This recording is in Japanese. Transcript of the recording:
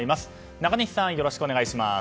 中西さん、よろしくお願いします。